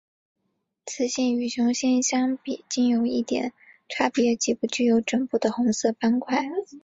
雌性与雄性相比近有一点差别即不具有枕部的红色斑块。